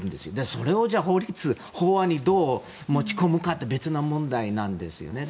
それを法律、法案にどう持ち込むかって別の問題なんですよね。